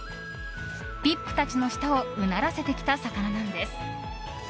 ＶＩＰたちの舌をうならせてきた魚なんです。